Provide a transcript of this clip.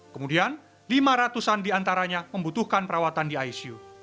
kemudian lima ratus an diantaranya membutuhkan perawatan di icu